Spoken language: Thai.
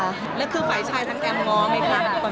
แล้วคือฝ่ายชายทั้งแอมง้อไหมคะ